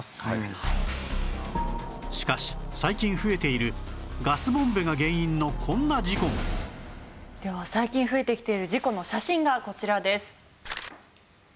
しかし最近増えているガスボンベが原因のこんな事故もでは最近増えてきている事故の写真がこちらです。